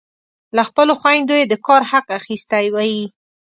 له خپلو خویندو یې د کار حق اخیستی وي.